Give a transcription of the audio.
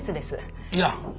いや。